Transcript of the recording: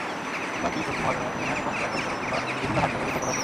বাকি সবজি মহাজনেরা কিনে নেন এবং রপ্তানিকারক কিংবা বিভিন্ন হাট-বাজারে সরবরাহ করেন।